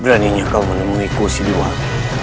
beraninya kau menemui ku sini wahabi